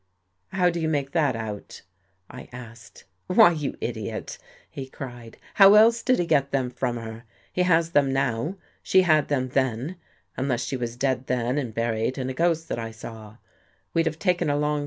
"How do you make that out?" I asked. " Why, you idiot," he cried, " how else did he get them from her? He has them now; she had them then, unless she was dead then and buried and a ghost that I saw.